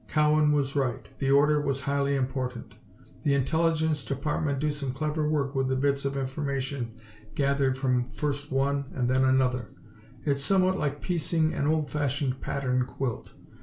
Cowan was right, the order was highly important. The Intelligence Department do some clever work with the bits of information gathered from first one place and another. It's somewhat like piecing an old fashioned pattern quilt.